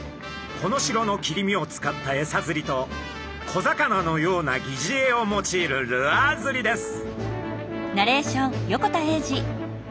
コノシロの切り身を使ったえさ釣りと小魚のようなぎじえを用いるルアー釣りです！